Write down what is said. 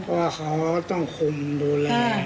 เพราะเขาต้องคุมดูแล